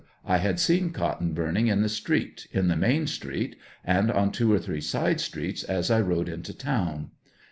I had seen cotton burning in the street — in the main street — and on two or three side streets, as I rode into town